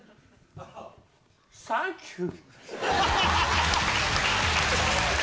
サンキュー。